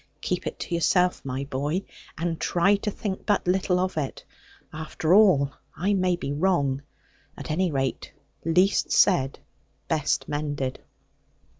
Keep it to yourself, my boy, and try to think but little of it. After all, I may be wrong: at any rate, least said best mended.'